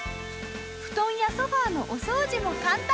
布団やソファのお掃除も簡単！